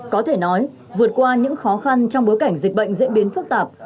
có thể nói vượt qua những khó khăn trong bối cảnh dịch bệnh diễn biến phức tạp